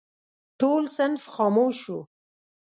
ټول صنف خاموش شو.